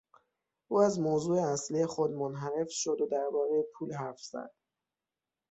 او از موضوع اصلی خود منحرف شد و دربارهی پول حرف زد.